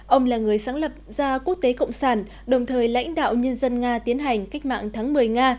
ông là người sáng lập gia quốc tế cộng sản đồng thời lãnh đạo nhân dân nga tiến hành cách mạng tháng một mươi nga